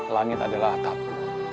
langit adalah atapku